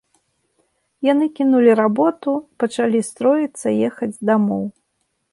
Яны кінулі работу, пачалі строіцца ехаць дамоў.